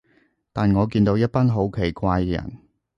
但我見到一班好奇怪嘅人